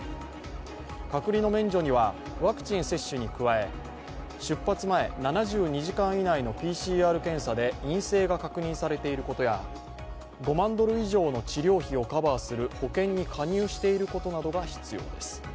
隔離の免除にはワクチン接種に加え、出発前７２時間以内のＰＣＲ検査で陰性が確認されていることや、５万ドル以上の治療費をカバーする保険に加入していることなどが必要です。